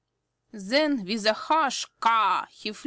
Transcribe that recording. Then with a harsh Caw!